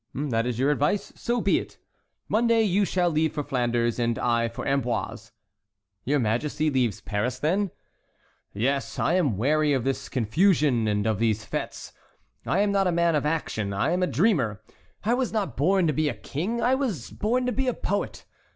"That is your advice—so be it; Monday you shall leave for Flanders, and I for Amboise." "Your Majesty leaves Paris, then?" "Yes; I am weary of this confusion, and of these fêtes. I am not a man of action; I am a dreamer. I was not born to be a king; I was born to be a poet.